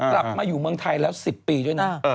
กลับมาอยู่เมืองไทยแล้ว๑๐ปีด้วยนะ